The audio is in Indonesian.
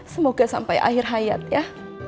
semoga sampai akhir hayat ya